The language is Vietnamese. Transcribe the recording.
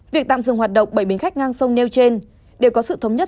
việc tạm dừng hoạt động bảy bến khách ngang sông nêu trên đều có sự thống nhất